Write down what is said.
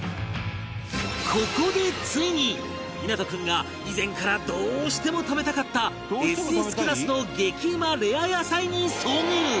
ここでついに湊君が以前からどうしても食べたかった ＳＳ クラスの激うまレア野菜に遭遇！